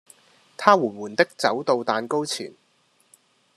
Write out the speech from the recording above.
他緩緩的走到蛋糕前